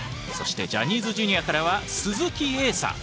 そしてジャニーズＪｒ．からは鈴木瑛